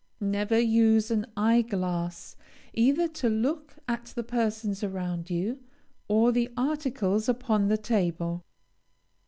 Never use an eye glass, either to look at the persons around you or the articles upon the table.